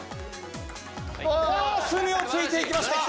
隅を突いていきました。